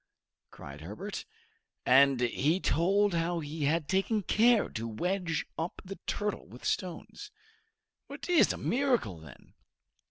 cried Herbert. And he told how he had taken care to wedge up the turtle with stones. "It is a miracle, then!"